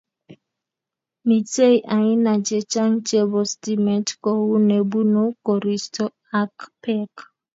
Mitei aina che chang chebo stimet kou nebunu koristo ak pek